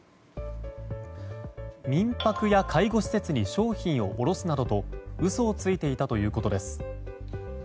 民泊や介護施設に商品を卸すなどと嘘をついていたということです。